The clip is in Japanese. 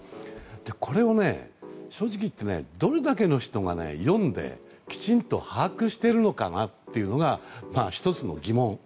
これを正直言ってどれだけの人が読んできちんと把握しているのかなというのが１つの疑問。